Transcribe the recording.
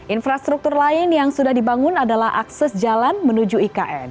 infrastruktur lain yang sudah dibangun adalah akses jalan menuju ikn